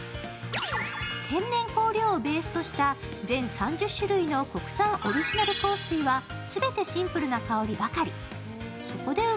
天然香料をベースとした全３０種類の国産オリジナル香水は全てシンプルな香りばかり。